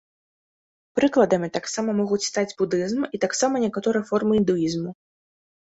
Прыкладамі таксама могуць стаць будызм і таксама некаторыя формы індуізму.